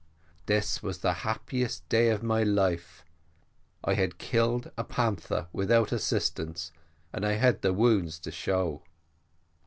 This was the happiest day of my life; I had killed a panther without assistance, and I had wounds to show.